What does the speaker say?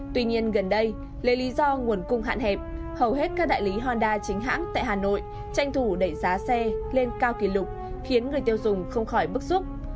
tuy nhiên gần đây lấy lý do nguồn cung hạn hẹp hầu hết các đại lý honda chính hãng tại hà nội tranh thủ đẩy giá xe lên cao kỷ lục khiến người tiêu dùng không khỏi bức xúc